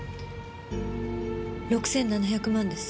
６７００万です。